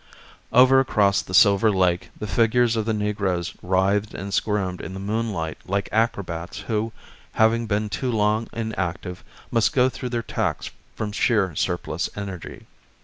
Over across the silver lake the figures of the negroes writhed and squirmed in the moonlight like acrobats who, having been too long inactive, must go through their tacks from sheer surplus energy.